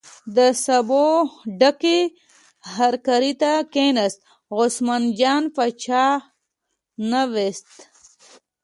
د سبو ډکې هرکارې ته کیناست، عثمان جان باچا اه نه ویست.